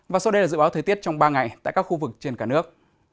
và sau đây là dự báo thời tiết trong ba ngày tại các khu vực trên cả nước